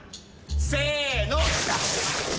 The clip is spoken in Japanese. せーの。